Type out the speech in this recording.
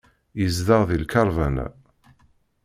Yezdeɣ deg lqerban-a.